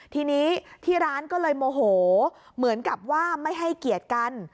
ทีนี้ที่ร้านก็เลยโมโหเหมือนกับว่าไม่ให้เกียรติกัน